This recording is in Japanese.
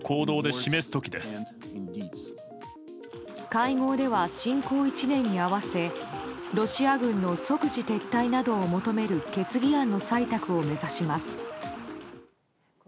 会合では侵攻１年に合わせロシア軍の即時撤退などを求める決議案の採択を目指します。